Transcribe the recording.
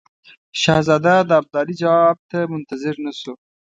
شهزاده د ابدالي جواب ته منتظر نه شو.